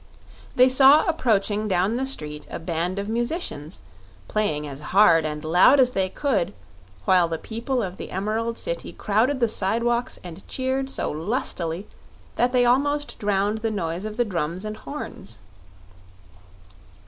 They saw approaching down the street a band of musicians, playing as hard and loud as they could, while the people of the Emerald City crowded the sidewalks and cheered so lustily that they almost drowned the noise of the drums and horns.